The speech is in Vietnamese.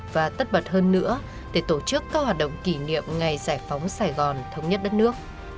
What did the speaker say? và tất bật hơn nữa để tổ chức các hoạt động kỷ niệm ngày giải phóng sài gòn thống nhất đất nước